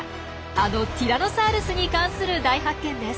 あのティラノサウルスに関する大発見です！